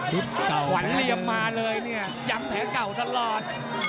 หวานยับมาเลยเนี่ยย้ำแพ้เก่าถ้าลอด